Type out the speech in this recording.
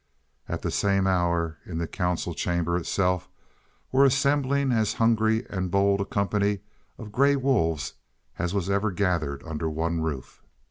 At this same hour in the council chamber itself were assembling as hungry and bold a company of gray wolves as was ever gathered under one roof.